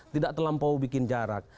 tidak terlampau bikin jarak